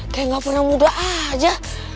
kayak gak pernah muda aja